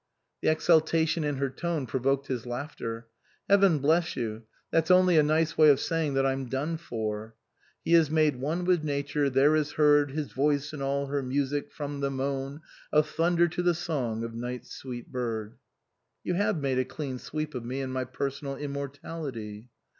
The exultation in her tone provoked his laughter. "Heaven bless you that's only a nice way of saying that I'm done for. 'He is made one with Nature; there is heard His voice in all her music, from the moan Of thunder to the song of night's sweet hird.' You have made a clean sweep of me and my personal immortality."